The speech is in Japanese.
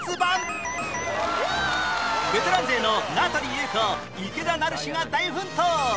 ベテラン勢の名取裕子池田成志が大奮闘！